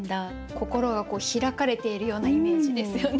心が開かれているようなイメージですよね。